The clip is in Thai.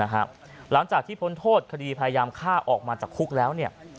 หลังจากที่พ้นโทษคดีพยายามฆ่าออกมาจากคุกแล้ว